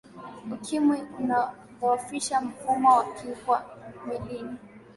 ukimwi unadhoofisha mfumo wa kinga mwilini